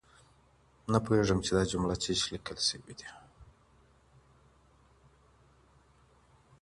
د سید خپل اثار مې